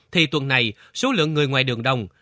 thì tuần này số lượng người ngoài đường đông